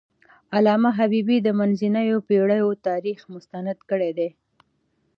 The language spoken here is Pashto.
علامه حبيبي د منځنیو پېړیو تاریخ مستند کړی دی.